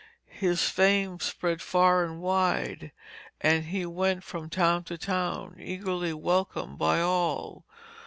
His fame spread far and wide, and he went from town to town eagerly welcomed by all.